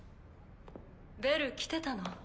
ベル来てたの。